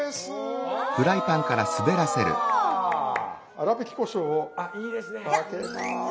粗びきこしょうをかけます。